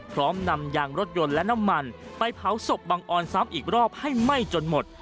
พร้อมนำยางรถยนต์และน้ำมันไปเผาศพบังออนซ้ำอีกรอบให้ไหม้จนหมด